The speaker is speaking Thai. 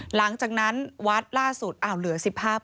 หลังจากนั้นวัดล่าสุดเหลือ๑๕